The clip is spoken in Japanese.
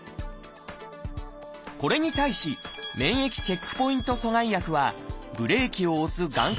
これに対し免疫チェックポイント阻害薬はブレーキを押すがん